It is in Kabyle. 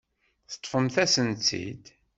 Teṭṭfemt-asent-t-id.